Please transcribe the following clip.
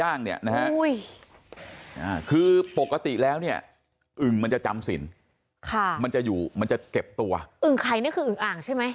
อึงไข่นี่คืออึงอ่างใช่ไหม